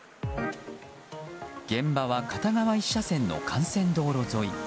現場は片側１車線の幹線道路沿い。